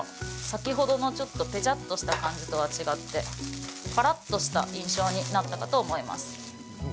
先ほどのちょっとべちゃっとした感じとは違ってぱらっとした印象になったかと思います。